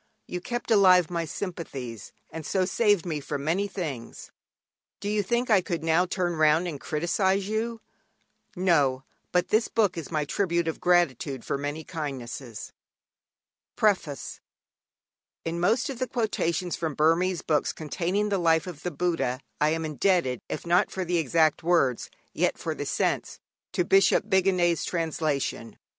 You kept alive my sympathies, and so saved me from many things. Do you think I could now turn round and criticise you? No; but this book is my tribute of gratitude for many kindnesses._ PREFACE In most of the quotations from Burmese books containing the life of the Buddha I am indebted, if not for the exact words, yet for the sense, to Bishop Bigandet's translation.